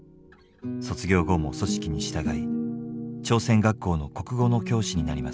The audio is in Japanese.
卒業後も組織に従い朝鮮学校の国語の教師になります。